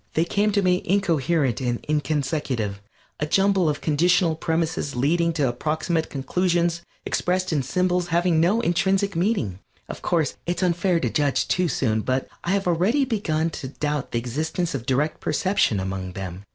They came to me incoherent and inconsecutive, a jumble of conditional premises leading to approximate conclusions expressed in symbols having no intrinsic meaning. Of course, it is unfair to judge too soon, but I have already begun to doubt the existence of direct perception among them.